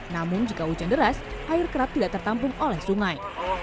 namun jika hujan deras air kerap tidak tertampung oleh sungai